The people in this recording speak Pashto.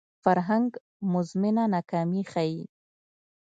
فرهنګ مزمنه ناکامي ښيي